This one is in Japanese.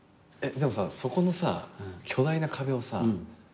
でもさそこのさ巨大な壁をさ